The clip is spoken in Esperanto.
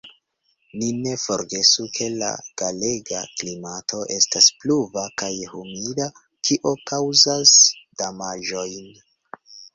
Ni ne forgesu, ke la galega klimato estas pluva kaj humida, kio kaŭzas damaĝojn.